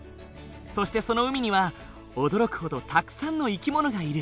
そしてその海には驚くほどたくさんの生き物がいる。